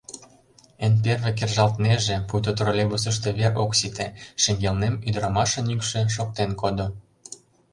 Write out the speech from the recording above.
Эн первый кержалтнеже, пуйто троллейбусышто вер ок сите, — шеҥгелнем ӱдырамашын йӱкшӧ шоктен кодо.